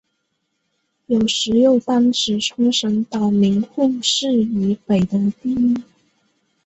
有时又单指冲绳岛名护市以北的地域。